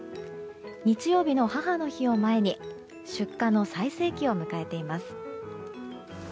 日曜日の母の日を前に出荷の最盛期を迎えています。